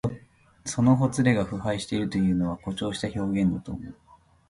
そのほつれが腐敗しているというのは、誇張した表現だと思う。